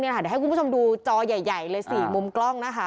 เดี๋ยวให้คุณผู้ชมดูจอใหญ่เลย๔มุมกล้องนะคะ